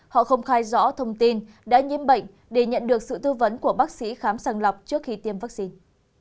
họ không khai rõ thông tin đã nhiễm bệnh để nhận được sự tư vấn của bác sĩ khám sàng lọc trước khi tiêm vaccine